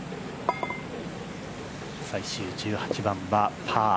最終１８番はパー。